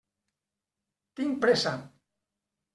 Tinc pressa.